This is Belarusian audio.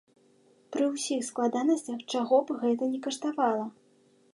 Пры ўсіх складанасцях, чаго б гэта ні каштавала!